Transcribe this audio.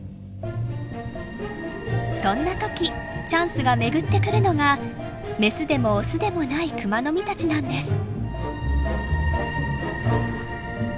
そんな時チャンスが巡ってくるのがメスでもオスでもないクマノミたちなんです。